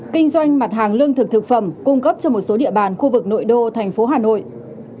kinh doanh mặt hàng lương thực thực phẩm cung cấp cho một số địa bàn khu vực nội đô tp hcm